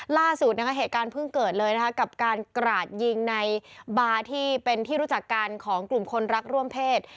ล่าสุดนะคะเหตุการณ์เพิ่งเกิดเลยนะคะกับการกราดยิงในบาร์ที่เป็นที่รู้จักกันของกลุ่มคนรักร่วมเพศ